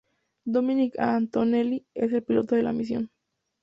Dominic A. Antonelli es el piloto de la misión.